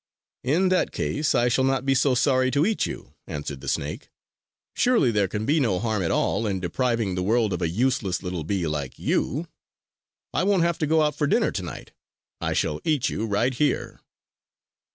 "In that case, I shall not be so sorry to eat you!" answered the snake. "Surely there can be no harm at all in depriving the world of a useless little bee like you! I won't have to go out for dinner tonight. I shall eat you right here!"